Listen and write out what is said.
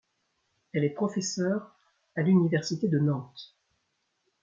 Elle est professeur à l’Université de Nantes.